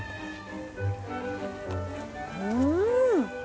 うん！